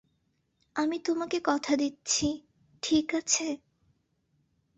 আমি তোমাকে কথা দিচ্ছি, ঠিক আছে?